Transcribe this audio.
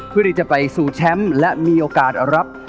เพื่อที่จะไปสู่แชมป์และมีโอกาสรับ